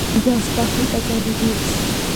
ګاز پخلي ته کارېږي.